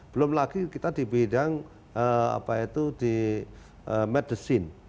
belum lagi kita di bidang apa itu di medicine